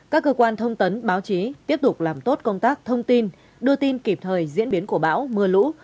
các cơ quan thông tấn báo chí tiếp tục làm tốt công tác thông tin đưa tin kịp thời diễn biến của bão mưa lũ